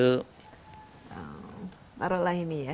tarolah ini ya